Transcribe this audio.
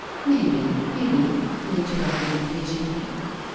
" Maybe— maybe, "he interrupted impatiently.